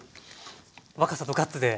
若さとガッツで。